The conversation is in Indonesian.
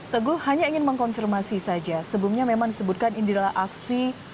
teguh hanya ingin mengkonfirmasi saja sebelumnya memang disebutkan ini adalah aksi